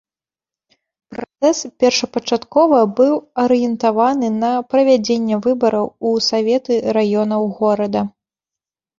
Працэс першапачаткова быў арыентаваны на правядзенне выбараў у саветы раёнаў горада.